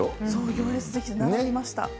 行列出来て、並びました。